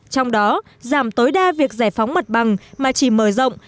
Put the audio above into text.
trong đó giảm tối đa việc giải phóng mặt bằng mà chỉ mở rộng